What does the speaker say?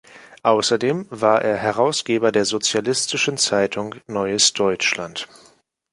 Außerdem war er Herausgeber der sozialistischen Zeitung „Neues Deutschland“.